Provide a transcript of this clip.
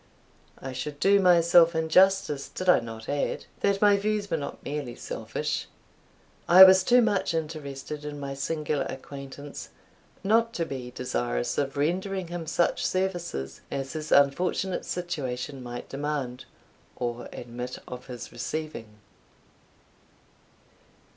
I should do myself injustice did I not add, that my views were not merely selfish. I was too much interested in my singular acquaintance not to be desirous of rendering him such services as his unfortunate situation might demand, or admit of his receiving.